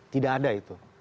tidak ada itu